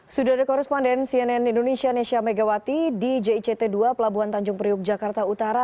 sudah ada koresponden cnn indonesia nesya megawati di jict dua pelabuhan tanjung priuk jakarta utara